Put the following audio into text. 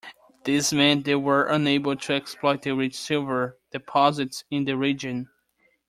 This meant they were unable to exploit the rich silver deposits in the region.